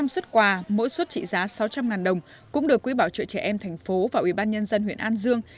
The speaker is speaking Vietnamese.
một trăm linh xuất quà mỗi xuất trị giá sáu trăm linh đồng cũng được quỹ bảo trợ trẻ em thành phố và ủy ban nhân dân huyện an dương